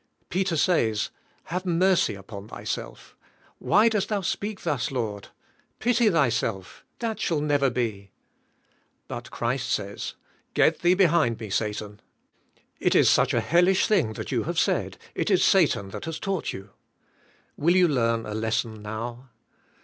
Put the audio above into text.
Peter says, "Have mercy upon thyself. Why dost thou speak thus, Lord? Pity thyself. That shall never be." But Christ says, "Get thee behind me, Satan." It is such a hellish thing tha.t you have said, it is Satan that has taug ht you, " will you learn a lesson now?